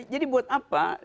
jadi buat apa